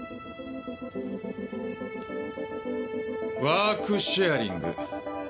ワークシェアリング。